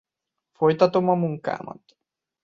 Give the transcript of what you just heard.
Folytatom a munkámat.